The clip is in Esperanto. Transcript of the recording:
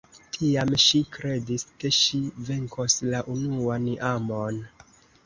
Tiam ŝi kredis, ke ŝi venkos la unuan amon.